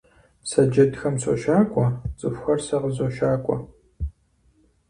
Сэ джэдхэм сощакӀуэ, цӀыхухэр сэ къызощакӀуэ.